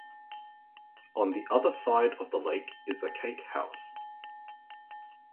On the other side of the lake is a cake-house.